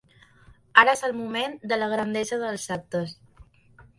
Ara és el moment de la grandesa dels actes.